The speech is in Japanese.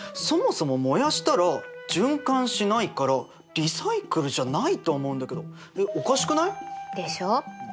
そもそも燃やしたら循環しないからリサイクルじゃないと思うんだけどおかしくない？でしょう？